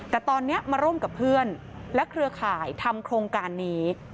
แต่ตอนนี้มาร่วมกับเพื่อนและเครือข่ายทำโครงการนี้